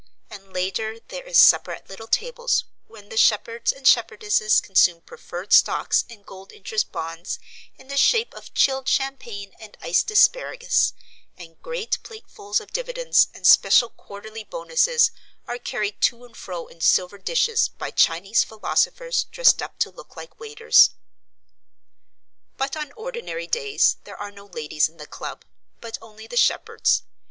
And later there is supper at little tables, when the shepherds and shepherdesses consume preferred stocks and gold interest bonds in the shape of chilled champagne and iced asparagus, and great platefuls of dividends and special quarterly bonuses are carried to and fro in silver dishes by Chinese philosophers dressed up to look like waiters. But on ordinary days there are no ladies in the club, but only the shepherds.